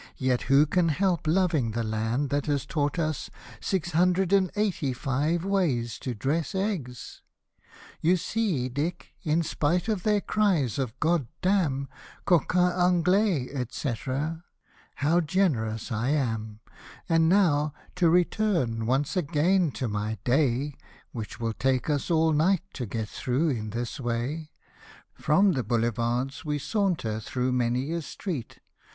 Yet, who can help loving the land that has taught us Six hundred and eighty five ways to dress eggs ? You see, DiCK, in spite of their cries of " God dam," " Coquin Anglais," et caetera — how generous I am ! And now (to return, once again, to my " Day," Which will take us all night to get through in this way,) From the Boulevards we saunter through many a street.